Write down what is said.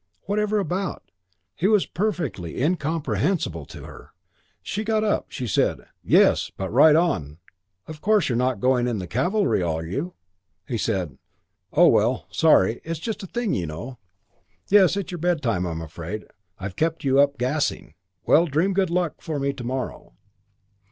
Whatever about? He was perfectly incomprehensible to her. She got up. She said, "Yes but 'Ride on' of course you're not going in the cavalry, are you?" He said, "Oh, well. Sorry. It's just a thing, you know. Yes, it's your bedtime, I'm afraid. I've kept you up, gassing. Well, dream good luck for me to morrow."